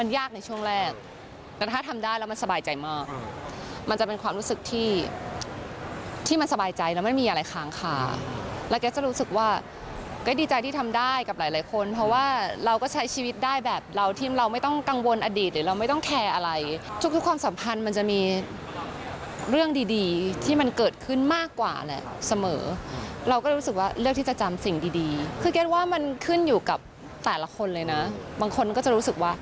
ยากในช่วงแรกแต่ถ้าทำได้แล้วมันสบายใจมากมันจะเป็นความรู้สึกที่ที่มันสบายใจแล้วไม่มีอะไรค้างคาแล้วเกรสจะรู้สึกว่าเกรสดีใจที่ทำได้กับหลายคนเพราะว่าเราก็ใช้ชีวิตได้แบบเราที่เราไม่ต้องกังวลอดีตหรือเราไม่ต้องแคร์อะไรทุกความสัมพันธ์มันจะมีเรื่องดีที่มันเกิดขึ้นมากกว่าแหละเสมอเราก็ร